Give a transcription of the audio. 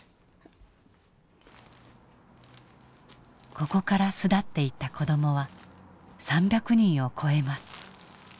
ここから巣立っていった子どもは３００人を超えます。